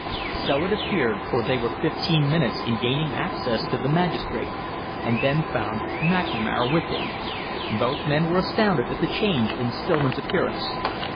So it appeared, for they were fifteen minutes in gaining access to the magistrate and then found McNamara with him. Both men were astounded at the change in Stillman's appearance.